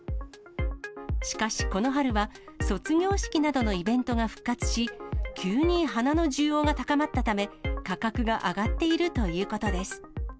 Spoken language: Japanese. しかしこの春は、卒業式などのイベントが復活し、急に花の需要が高まったため、価格が上がっているということです。